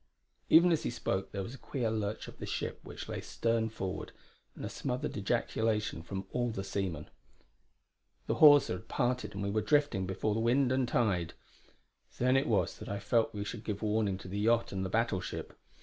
Even as he spoke there was a queer lurch of the ship which lay stern forward, and a smothered ejaculation from all the seamen. The hawser had parted and we were drifting before wind and tide. Then it was that I felt we should give warning to the yacht and the battleship.